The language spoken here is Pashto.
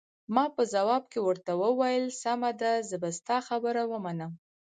ما په ځواب کې ورته وویل: سمه ده، زه به ستا خبره ومنم.